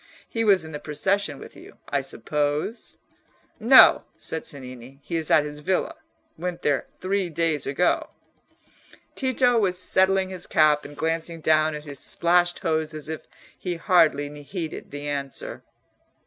He was in the procession with you, I suppose?" "No," said Cennini; "he is at his villa—went there three days ago." Tito was settling his cap and glancing down at his splashed hose as if he hardly heeded the answer.